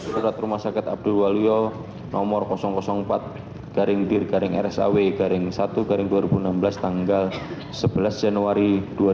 surat rumah sakit abdiwalula nomor empat garing garing rsaw garing satu dua ribu enam belas tanggal sebelas januari dua ribu enam belas